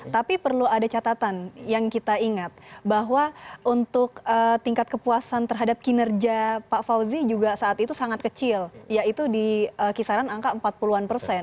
tapi perlu ada catatan yang kita ingat bahwa untuk tingkat kepuasan terhadap kinerja pak fauzi juga saat itu sangat kecil yaitu di kisaran angka empat puluh an persen